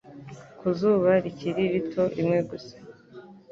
Ku zuba rikiri rito rimwe gusa,